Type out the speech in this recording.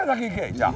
じゃあ。